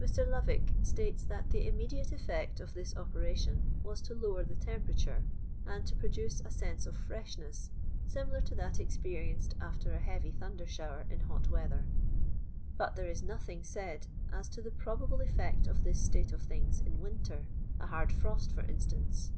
Mr. Lovick states that the immediate effect of this operation was to lower the tempera ture, and to produce a sense of freshness, similar to that experienced after a heavy thunder shower in hot weather. But there is nothing said as to the probable effect of this state of things in win ter— a hard frost for instance.